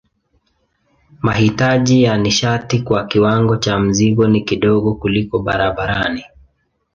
Mahitaji ya nishati kwa kiwango cha mzigo ni kidogo kuliko barabarani.